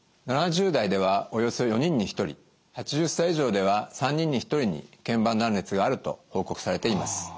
７０代ではおよそ４人に１人８０歳以上では３人に１人に腱板断裂があると報告されています。